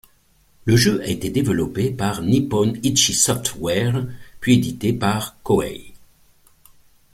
Le jeu a été développé par Nippon Ichi Software puis édité par Koei.